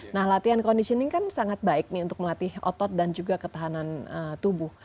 nah latihan conditioning kan sangat baik nih untuk melatih otot dan juga ketahanan tubuh